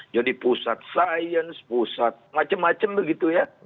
jadi pusat sains pusat macem macem begitu ya